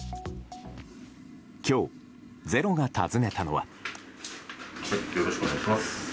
今日、「ｚｅｒｏ」が訪ねたのは。